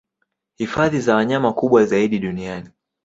Hifadhi za wanyama kubwa zaidi duniani